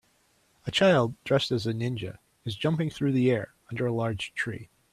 A child dressed as a ninja is jumping through the air under a large tree.